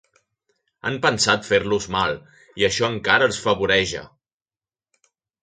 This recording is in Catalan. Han pensat fer-los mal, i això encara els favoreja.